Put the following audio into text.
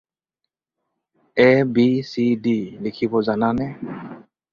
এ B C D লিখিব জানানে?